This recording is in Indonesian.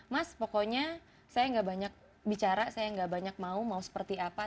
mas pokoknya saya gak banyak bicara saya gak banyak mau mau seperti apa